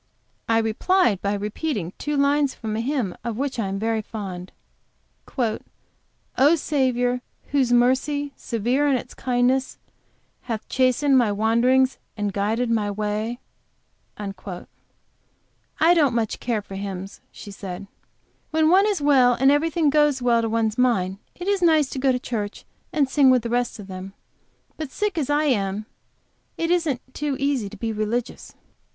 I replied by repeating two lines from a hymn of which I am very fond: 'O Saviour, whose mercy severe in its kindness, Hath chastened my wanderings, and guided my way.' "I don't much care for hymns," she said. "When one is well, and everything goes quite to one's mind, it is nice to go to church and sing with the rest of them. But, sick as I am, it isn't so easy to be religious."